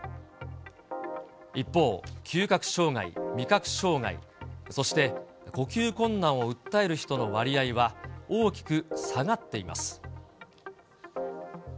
一方、嗅覚障害、味覚障害、そして呼吸困難を訴える人の割合は大きく下がっています。